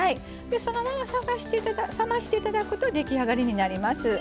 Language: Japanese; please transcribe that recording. そのまま冷まして頂くと出来上がりになります。